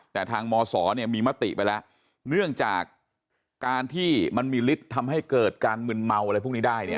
แต่ทางมศเนี่ยมีมติไปแล้วเนื่องจากการที่มันมีฤทธิ์ทำให้เกิดการมึนเมาอะไรพวกนี้ได้เนี่ย